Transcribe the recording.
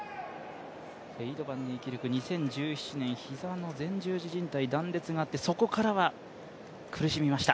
ウェイド・バンニーキルク、２０１８年に膝の前十字じん帯の断裂があってそこからは苦しみました。